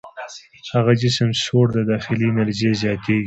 هغه جسم چې سوړ دی داخلي انرژي یې زیاتیږي.